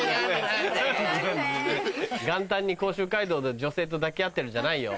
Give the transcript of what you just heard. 元旦に甲州街道で女性と抱き合ってるんじゃないよ。